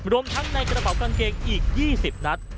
รวมทั้งในกระเป๋ากางเกงอีก๒๐นัด